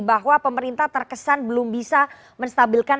bahwa pemerintah terkesan belum bisa menstabilkan